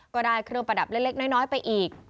ก็ได้เครื่องประดับเล็กน้อยไปอีก